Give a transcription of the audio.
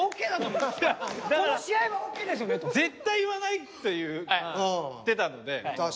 絶対言わないっていう言ってたので。